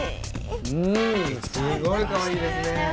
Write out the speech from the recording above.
うんすごいかわいいですね